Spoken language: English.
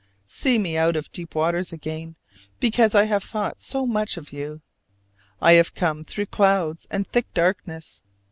See me out of deep waters again, because I have thought so much of you! I have come through clouds and thick darkness.